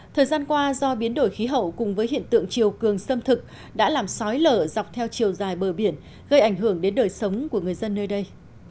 thời gian qua do biến đổi khí hậu cùng với hiện tượng chiều cường sâm thực đã làm sói lở dọc theo chiều dài bờ biển gây ảnh hưởng đến đời sống của người dân nơi đây